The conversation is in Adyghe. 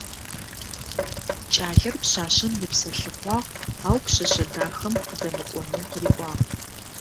Кӏалэр пшъашъэм епсэлъыхъуагъ, ау пшъэшъэ дахэм къыдэмыкӏонэу къыриӏуагъ.